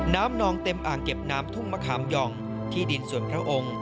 นองเต็มอ่างเก็บน้ำทุ่งมะขามหย่องที่ดินส่วนพระองค์